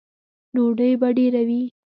_ډوډۍ به ډېره وي؟